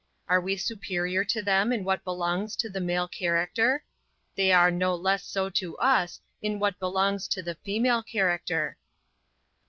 Are we superior to them in what belongs to the male character? They are no less so to us, in what belongs to the female character.